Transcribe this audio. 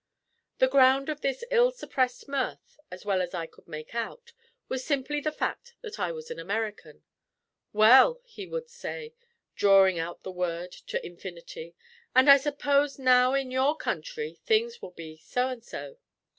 The ground of this ill suppressed mirth (as well as I could make out) was simply the fact that I was an American. "Well," he would say, drawing out the word to infinity, "and I suppose now in your country, things will be so and so."